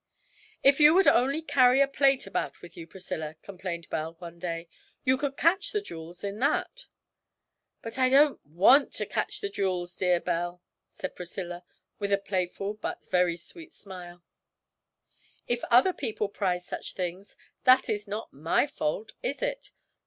'If you would only carry a plate about with you, Priscilla,' complained Belle one day, 'you could catch the jewels in that.' 'But I don't want to catch the jewels, dear Belle,' said Priscilla, with a playful but very sweet smile; 'if other people prize such things, that is not my fault, is it?